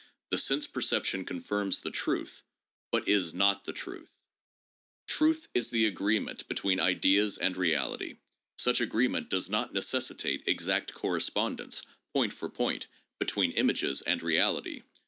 The sense perception confirms the truth, but is not the truth. 284 THE PHILOSOPHICAL REVIEW. Truth is the agreement between ideas and reality. Such agree ment does not necessitate exact correspondence, point for point, between images and reality.